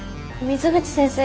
水口先生